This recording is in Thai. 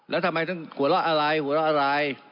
แล้วทำไมท่านหัวละอะไรหัวละอะไร